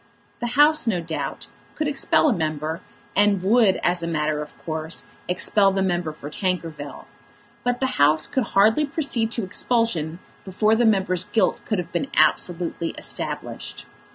The House, no doubt, could expel a member, and would, as a matter of course, expel the member for Tankerville, but the House could hardly proceed to expulsion before the member's guilt could have been absolutely established.